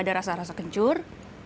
ada rasa rasa kencur